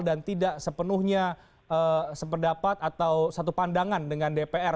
dan tidak sepenuhnya sependapat atau satu pandangan dengan dpr